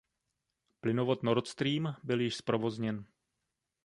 Plynovod Nord Stream byl již zprovozněn.